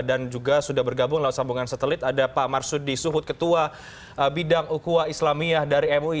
dan juga sudah bergabung lauk sambungan setelit ada pak marsudi suhut ketua bidang ukua islamiyah dari mui